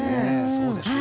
そうですね。